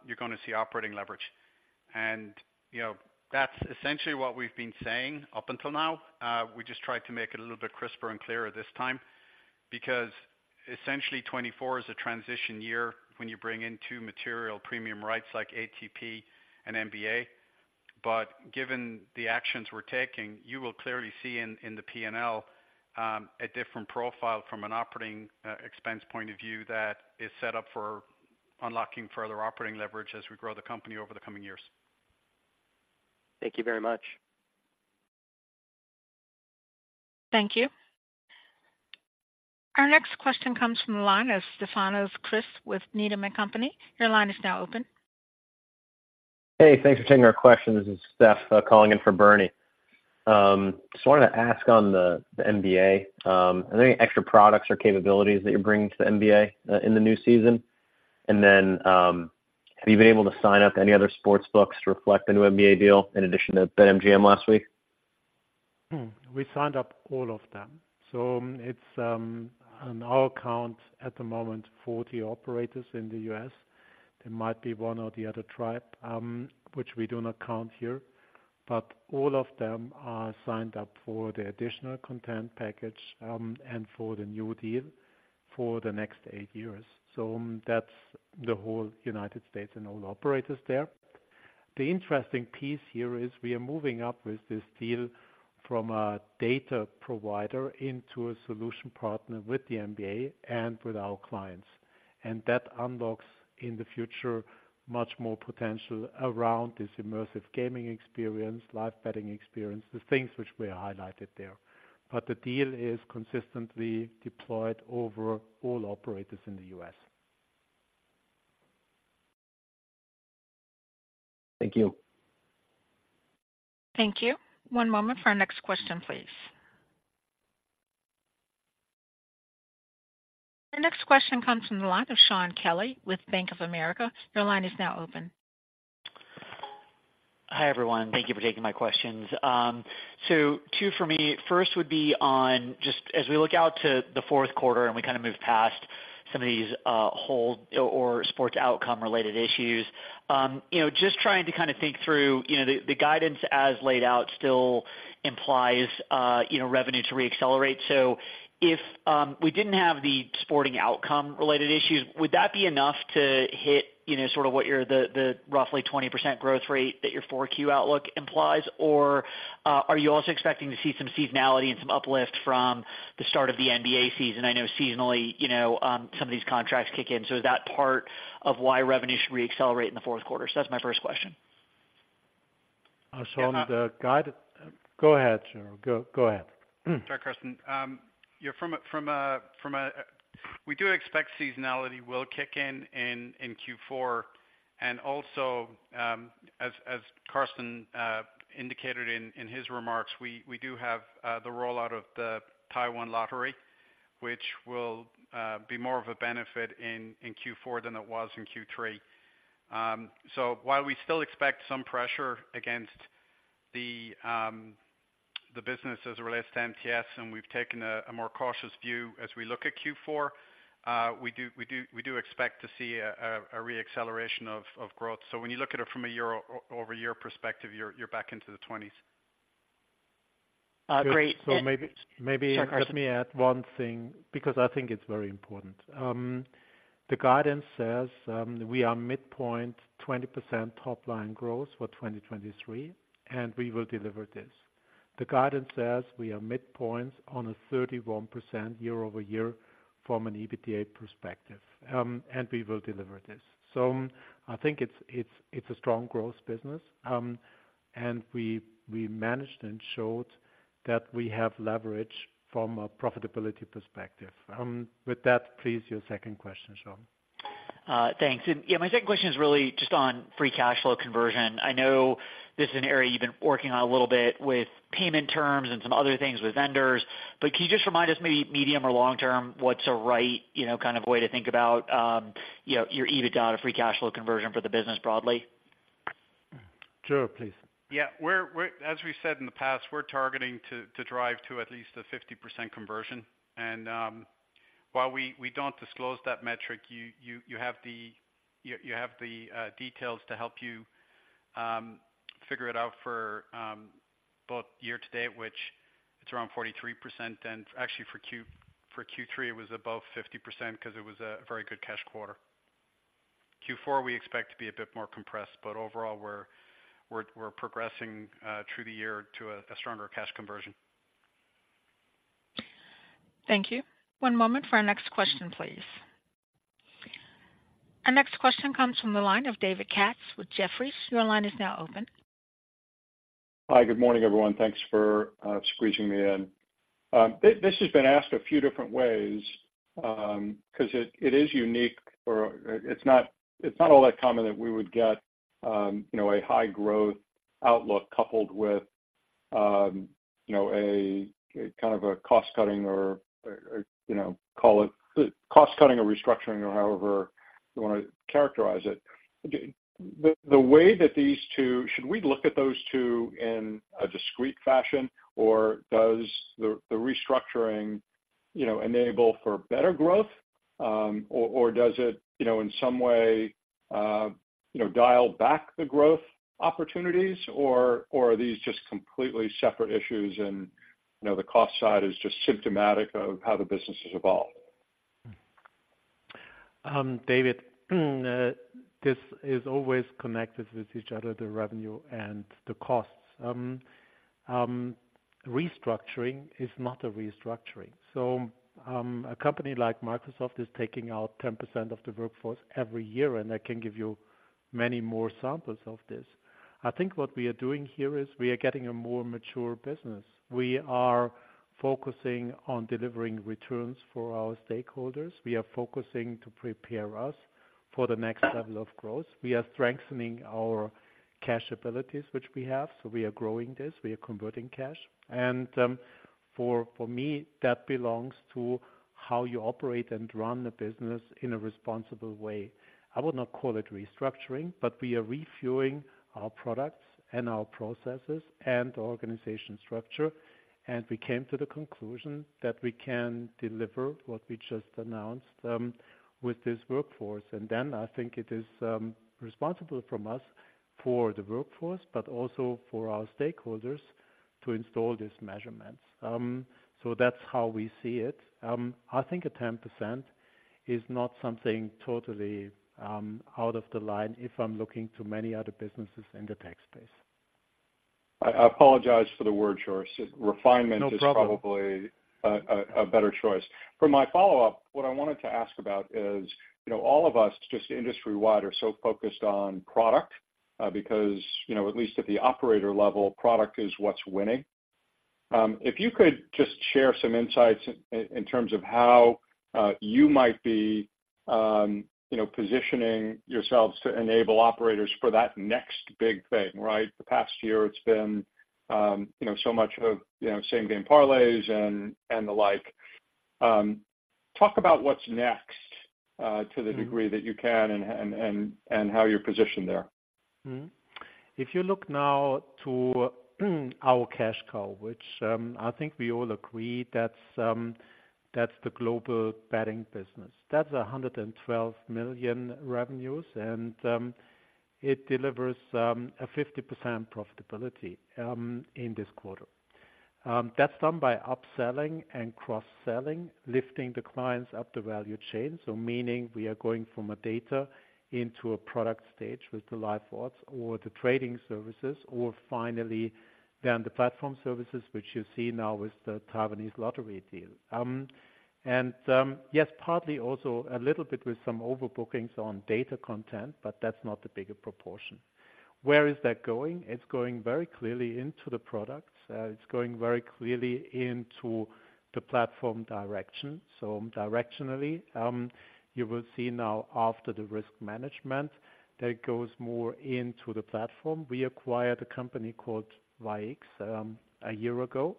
you're gonna see operating leverage. And that's essentially what we've been saying up until now. We just tried to make it a little bit crisper and clearer this time, because essentially 2024 is a transition year when you bring in two material premium rights like ATP and NBA. But given the actions we're taking, you will clearly see in the P&L a different profile from an operating expense point of view that is set up for unlocking further operating leverage as we grow the company over the coming years. Thank you very much. Thank you. Our next question comes from the line of Stefanos Crist with Needham and Company. Your line is now open. Hey, thanks for taking our question. This is Steph calling in for Bernie. Just wanted to ask on the NBA, are there any extra products or capabilities that you're bringing to the NBA in the new season? And then, have you been able to sign up any other sports books to reflect the new NBA deal in addition to BetMGM last week? We signed up all of them. It's on our count at the moment, 40 operators in the U.S. There might be one or the other tribe, which we do not count here, but all of them are signed up for the additional content package, and for the new deal for the next 8 years. That's the whole United States and all the operators there. The interesting piece here is we are moving up with this deal from a data provider into a solution partner with the NBA and with our clients. That unlocks, in the future, much more potential around this immersive gaming experience, live betting experience, the things which we highlighted there. The deal is consistently deployed over all operators in the U.S. Thank you. Thank you. One moment for our next question, please. The next question comes from the line of Shaun Kelley with Bank of America. Your line is now open. Hi, everyone. Thank you for taking my questions. So two for me. First would be on just as we look out to the fourth quarter, and we kind of move past some of these, hold or sports outcome related issues, just trying to kind of think through the guidance as laid out still implies revenue to reaccelerate. So if we didn't have the sporting outcome related issues, would that be enough to hit sort of what your, the roughly 20% growth rate that your Q4 outlook implies? Or are you also expecting to see some seasonality and some uplift from the start of the NBA season? I know seasonally some of these contracts kick in, so is that part of why revenue should reaccelerate in the fourth quarter? That's my first question. Shaun, go ahead, Gerard. Go, go ahead. Sorry, Carsten. Yeah, from a-- We do expect seasonality will kick in in Q4. And also, as Carsten indicated in his remarks, we do have the rollout of the Taiwan lottery, which will be more of a benefit in Q4 than it was in Q3. So while we still expect some pressure against the business as it relates to MTS, and we've taken a more cautious view as we look at Q4, we do expect to see a reacceleration of growth. So when you look at it from a year-over-year perspective, you're back into the twenties. Uh, great. So maybe. Sorry, Carsten. Let me add one thing, because I think it's very important. The guidance says we are midpoint 20% top line growth for 2023, and we will deliver this. The guidance says we are midpoints on a 31% year-over-year from an EBITDA perspective, and we will deliver this. So I think it's a strong growth business, and we managed and showed that we have leverage from a profitability perspective. With that, please, your second question, Shaun. Thanks. Yeah, my second question is really just on free cash flow conversion. I know this is an area you've been working on a little bit with payment terms and some other things with vendors. But can you just remind us, maybe medium or long term, what's a right kind of way to think about your EBITDA to free cash flow conversion for the business broadly? Gerard, please. Yeah, we're— As we said in the past, we're targeting to drive to at least a 50% conversion. And while we don't disclose that metric, you have the details to help you figure it out for both year to date, which it's around 43%. And actually for Q3, it was above 50% because it was a very good cash quarter. Q4, we expect to be a bit more compressed, but overall, we're progressing through the year to a stronger cash conversion. Thank you. One moment for our next question, please. Our next question comes from the line of David Katz with Jefferies. Your line is now open. Hi, good morning, everyone. Thanks for squeezing me in. This has been asked a few different ways, 'cause it is unique or it's not all that common that we would get a high growth outlook coupled with a kind of a cost cutting or call it cost cutting or restructuring or however you wanna characterize it. The way that these two—should we look at those two in a discrete fashion, or does the restructuring, enable for better growth or does it in some way dial back the growth opportunities? Or, or are these just completely separate issues and the cost side is just symptomatic of how the business has evolved? David, this is always connected with each other, the revenue and the costs. Restructuring is not a restructuring. So, a company like Microsoft is taking out 10% of the workforce every year, and I can give you many more samples of this. I think what we are doing here is we are getting a more mature business. We are focusing on delivering returns for our stakeholders. We are focusing to prepare us for the next level of growth. We are strengthening our cash abilities, which we have, so we are growing this. We are converting cash, and, for me, that belongs to how you operate and run the business in a responsible way. I would not call it restructuring, but we are reviewing our products and our processes and organization structure, and we came to the conclusion that we can deliver what we just announced, with this workforce. Then I think it is responsible from us for the workforce, but also for our stakeholders to install these measurements. That's how we see it. I think a 10% is not something totally out of the line if I'm looking to many other businesses in the tech space. I apologize for the word choice. Refinement- No problem. - is probably a better choice. For my follow-up, what I wanted to ask about is all of us, just industry-wide, are so focused on product, because at least at the operator level, product is what's winning. If you could just share some insights in terms of how you might be positioning yourselves to enable operators for that next big thing, right? The past year it's been so much of same game parlays and the like. Talk about what's next, to the degree that you can and how you're positioned there. If you look now to our cash cow, which I think we all agree that's the global betting business. That's 112 million revenues, and it delivers a 50% profitability in this quarter. That's done by upselling and cross-selling, lifting the clients up the value chain, so meaning we are going from a data into a product stage with the live odds or the trading services, or finally, then the platform services, which you see now with the Taiwanese lottery deal. And yes, partly also a little bit with some overbookings on data content, but that's not the bigger proportion. Where is that going? It's going very clearly into the products. It's going very clearly into the platform direction. So directionally, you will see now after the risk management, that it goes more into the platform. We acquired a company called Vaix, a year ago,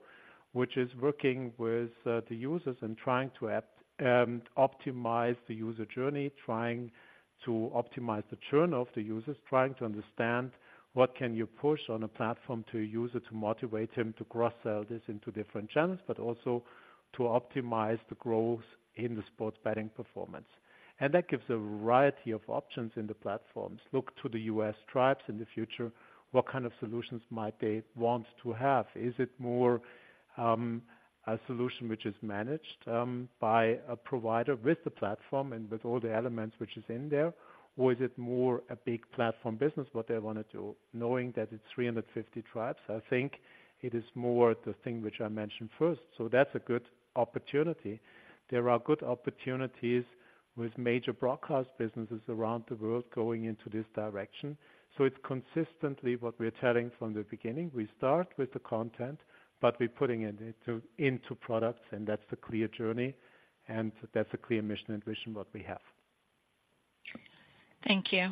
which is working with, the users and trying to optimize the user journey, trying to optimize the churn of the users, trying to understand what can you push on a platform to a user to motivate him to cross-sell this into different channels, but also to optimize the growth in the sports betting performance. And that gives a variety of options in the platforms. Look to the US tribes in the future, what kind of solutions might they want to have? Is it more, a solution which is managed, by a provider with the platform and with all the elements which is in there? Or is it more a big platform business, what they wanna do, knowing that it's 350 tribes? I think it is more the thing which I mentioned first. So that's a good opportunity. There are good opportunities with major broadcast businesses around the world going into this direction. So it's consistently what we're telling from the beginning. We start with the content, but we're putting it into, into products, and that's the clear journey, and that's a clear mission and vision, what we have. Thank you.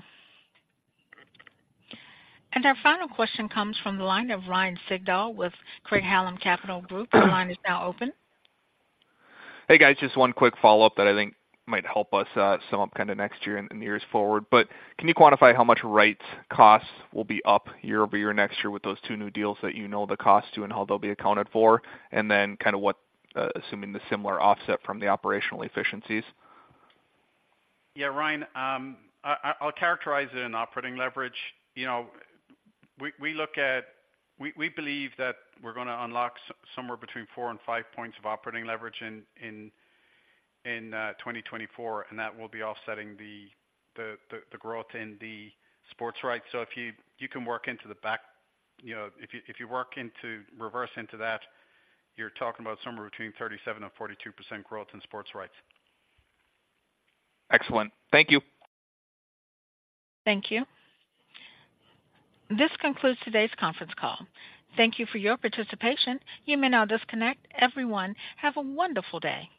Our final question comes from the line of Ryan Sigdahl with Craig-Hallum Capital Group. Your line is now open. Hey, guys, just one quick follow-up that I think might help us, sum up kind of next year and the years forward. But can you quantify how much rights costs will be up year-over-year, next year with those two new deals that the cost to and how they'll be accounted for, and then kind of what, assuming the similar offset from the operational efficiencies? Yeah, Ryan, I'll characterize it in operating leverage. We believe that we're gonna unlock somewhere between 4 and 5 points of operating leverage in 2024, and that will be offsetting the growth in the sports rights. So if you can work into the back... if you work into, reverse into that, you're talking about somewhere between 37% and 42% growth in sports rights. Excellent. Thank you. Thank you. This concludes today's conference call. Thank you for your participation. You may now disconnect. Everyone, have a wonderful day!